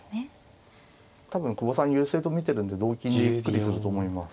多分久保さん優勢と見てるんで同金にゆっくりすると思います。